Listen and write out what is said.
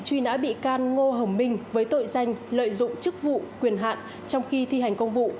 truy nã bị can ngô hồng minh với tội danh lợi dụng chức vụ quyền hạn trong khi thi hành công vụ